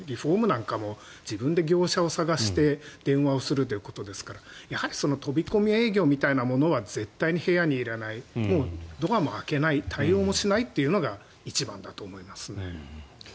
リフォームなんかも自分で業者を探して電話をするということですからやはり飛び込み営業みたいなものは絶対に部屋に入れないドアも開けない対応もしないというのが一番だと思いますね。